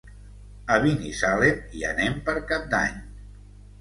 A Binissalem hi anem per Cap d'Any.